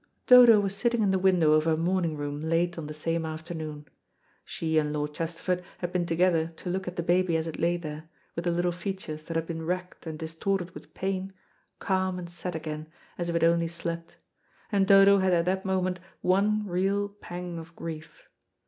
Dodo was sitting in the window of her morning room late on the same afternoon. She and Lord Chesterford had been together to look at the baby as it lay there, with the little features that had been racked and distorted with pain, calm and set again, as if it only slept; and Dodo had at that moment one real pang of grief.